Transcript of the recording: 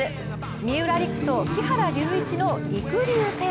三浦璃来と木原龍一のりくりゅうペア。